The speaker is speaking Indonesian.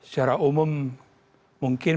secara umum mungkin